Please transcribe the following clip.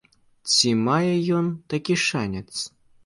Ці мае ён такі шанец?